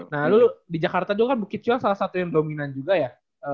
nah dulu di jakarta juga kan bukit cuang salah satu yang dominan juga ya